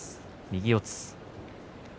右四つ。